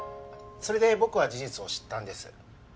それで僕は事実を知ったんです。